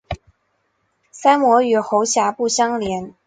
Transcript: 鳃膜与喉峡部相连。